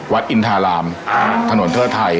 วัดอินทรารามถนนเทอดไทย